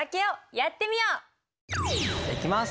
じゃあいきます。